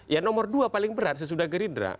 ya nomor dua paling berat sesudah gerindra